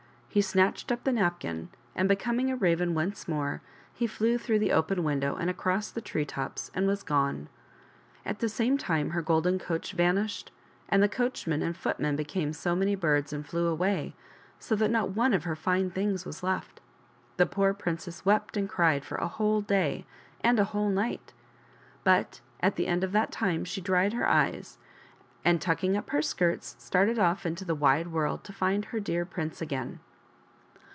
He snatched up the napkin, and, becoming a Raven once more, he flew through the open window and across the tree tops and was gone. At the same time her golden coach vanished, and, the coachman and fc^tmen be came so many birds and flew away, so that not one of her fine things was left. The poor princess wept and cried for a whole day and a whole night. But at the end of that time she dried her eyes, and, tucking up her skirts, started off into the wide world to find her dear prince again.